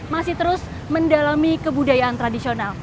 masih terus mendalami kebudayaan tradisional